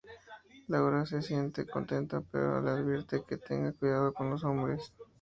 Laura se siente contenta pero le advierte que tenga cuidado con los hombres.